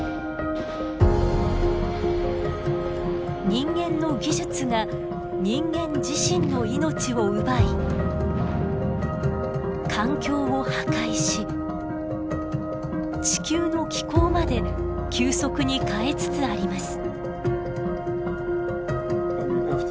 人間の技術が人間自身の命を奪い環境を破壊し地球の気候まで急速に変えつつあります。